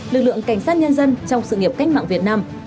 lực lượng cảnh sát nhân dân trong sự nghiệp cách mạng việt nam